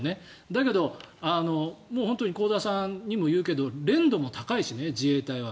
だけど、本当に香田さんにも言うけれど練度も高いしね、自衛隊は。